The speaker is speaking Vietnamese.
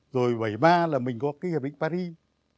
rồi bảy mươi ba là mình có cái hệ bệnh paris